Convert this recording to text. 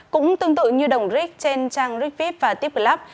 cũng tương tự như đồng rig trên trang rigvip và tiffclub